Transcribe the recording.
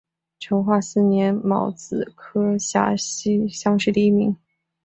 成化四年戊子科陕西乡试第一名。